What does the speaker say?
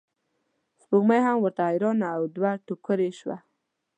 سپوږمۍ هم ورته حیرانه او دوه توکړې شوه.